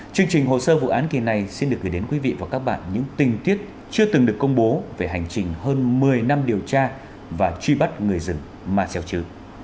chương trình hồ sơ vụ án kỳ này xin được gửi đến quý vị và các bạn những tình tiết chưa từng được công bố về hành trình hơn một mươi năm điều tra và truy bắt người rừng ma xeo trứ